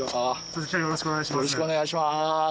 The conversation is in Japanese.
よろしくお願いします。